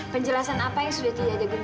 penjelasan apa yang sudah tidak ada gunanya